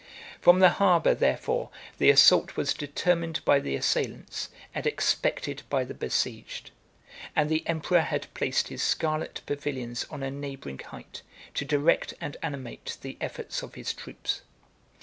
From the harbor, therefore, the assault was determined by the assailants, and expected by the besieged; and the emperor had placed his scarlet pavilions on a neighboring height, to direct and animate the efforts of his troops.